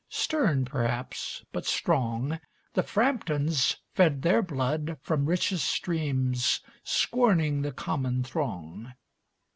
Stern perhaps, but strong, The Framptons fed their blood from richest streams, Scorning the common throng.